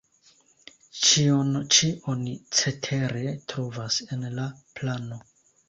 Ĉion ĉi oni cetere trovas en la plano.